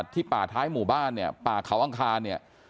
ที่ป่าท้ายหมู่บ้านเนี่ยป่าเขาอังคารเนี่ย